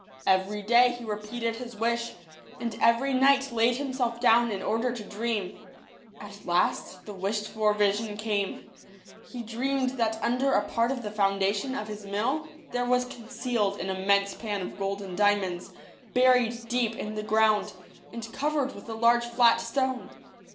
Every day he repeated his wish, and every night laid himself down in order to dream. At last the wished for vision came. He dreamed that under a part of the foundation of his mill there was concealed an immense pan of gold and diamonds, buried deep in the ground, and covered with a large flat stone.